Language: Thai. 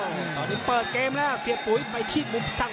ตอนนี้เปิดเกมแล้วเสียปุ๋ยไปที่มุมสั่ง